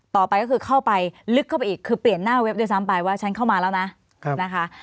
ต่อไปก็คือเข้าไปลึกเข้าไปอีกคือเปลี่ยนหน้าเว็บด้วยซ้ำไปว่าฉันเข้ามาแล้วนะนะคะ